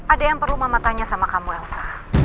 ada yang perlu mama tanya sama kamu elsa